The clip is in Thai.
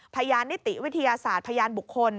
พยานนิติวิทยาศาสตร์พยานบุคคล